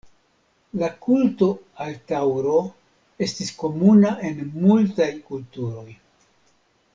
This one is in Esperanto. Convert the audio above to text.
La kulto al taŭro estis komuna en multaj kulturoj.